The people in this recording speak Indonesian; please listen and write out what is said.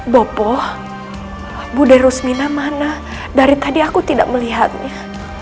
bopo budaya ruzmina mana dari tadi aku tidak melihatnya